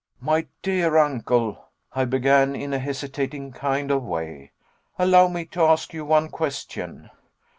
"My dear uncle," I began, in a hesitating kind of way, "allow me to ask you one question."